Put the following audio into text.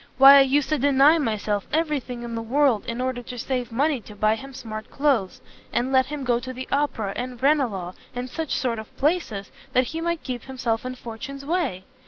why I used to deny myself every thing in the world, in order to save money to buy him smart cloaths, and let him go to the Opera, and Ranelagh, and such sort of places, that he might keep himself in fortune's way!